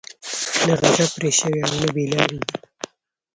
نه غضب پرې شوى او نه بې لاري دي.